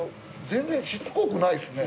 全然しつこくないですね。